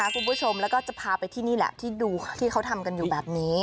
คุณผู้ชมแล้วก็จะพาไปที่นี่แหละที่ดูที่เขาทำกันอยู่แบบนี้